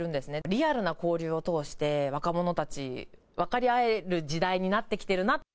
リアルな交流を通して、若者たち、分かり合える時代になってきてるな。